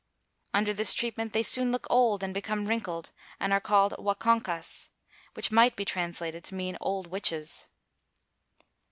Under this treatment they soon look old, and become wrinkled, and are called "Wakonkas," which might be translated to mean old witches.